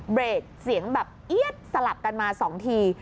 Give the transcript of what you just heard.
เบรกเสียงแบบเอี๊ยดสลับกันมา๒ที